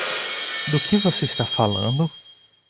Do que você está falando?